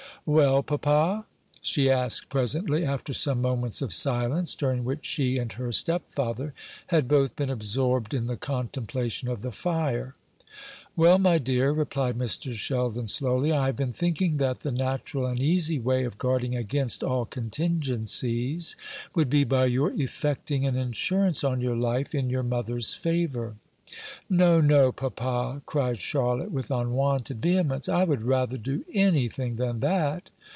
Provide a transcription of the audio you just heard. "Well, papa?" she asked presently, after some moments of silence, during which she and her stepfather had both been absorbed in the contemplation of the fire. "Well, my dear," replied Mr. Sheldon slowly, "I have been thinking that the natural and easy way of guarding against all contingencies would be by your effecting an insurance on your life in your mother's favour." "No, no, papa!" cried Charlotte, with unwonted vehemence; "I would rather do anything than that!"